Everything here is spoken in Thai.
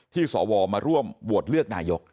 ที่สวมาร่วมวตเลือกนายก